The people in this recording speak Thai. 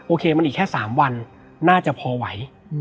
เคมันอีกแค่๓วันน่าจะพอไหว